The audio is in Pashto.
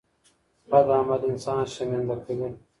بد عمل انسان شرمنده کوي.